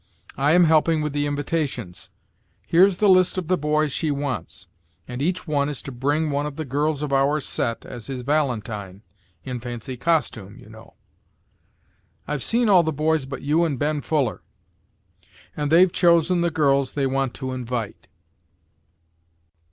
I am helping with the invitations. Here's the list of the boys she wants, and each one is to bring one of the girls of our set as his valentine, in fancy costume, you know. I've seen all the boys but you and Ben Fuller, and they've chosen the girls they want to invite."